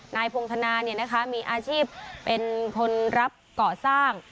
นายพงธนามีอาชีพเป็นคนรับเกาะสร้าง